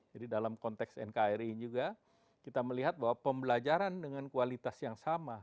dalam konteks nkri juga kita melihat bahwa pembelajaran dengan kualitas yang sama